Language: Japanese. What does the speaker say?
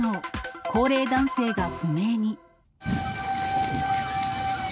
高齢男性が不明に。